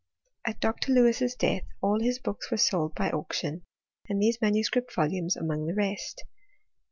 At Dr. Lewis's death, all his booki were sold by auction, and these manuscript volumtli among the rest.